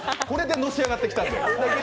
これでのし上がってきたんで。